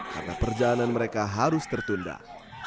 karena perjalanan mereka harus tertunduk